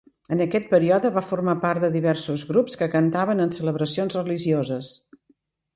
En aquest període va formar part de diversos grups que cantaven en celebracions religioses.